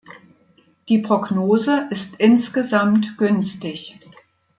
Die Prognose ist insgesamt günstig.